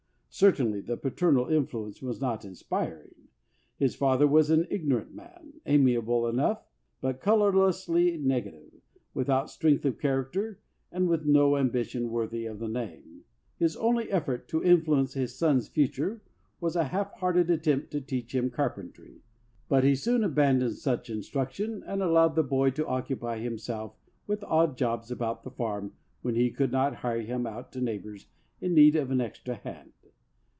Certainly the paternal influence was not inspiring. His father was an ignorant man, amiable enough, but colorlessly negative, without strength of character, and with no ambition worthy of the name. His only effort to influence his son's future was a half hearted attempt to teach him carpentry ; but he soon abandoned such instruction and allowed the boy to occupy him 6 A MYTHICAL BIRTHRIGHT self with odd jobs about the farm when he could not hire him out to neighbors in need of an extra hand.